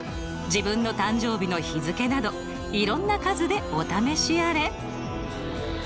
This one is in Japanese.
自分の誕生日の日付などいろんな数でお試しあれ。